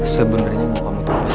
sebenarnya mau kamu terpaksa